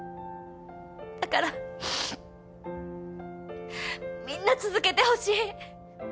だからみんな続けてほしい。